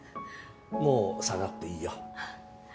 もう下がっていいよ。